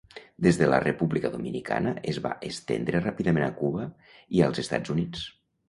Des de la República Dominicana es va estendre ràpidament a Cuba i, als Estats Units.